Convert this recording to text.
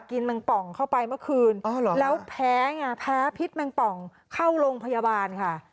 แมงป่องเข้าไปเมื่อคืนแล้วแพ้ไงแพ้พิษแมงป่องเข้าโรงพยาบาลค่ะ